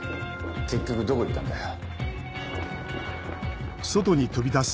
結局どこ行ったんだよ。